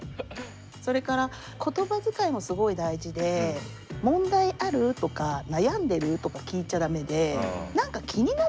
それから言葉遣いもすごい大事で「問題ある？」とか「悩んでる？」とか聞いちゃ駄目で。